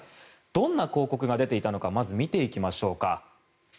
どんな広告が出ていたのか見ていきましょう。